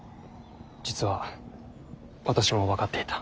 実は私も分かっていた。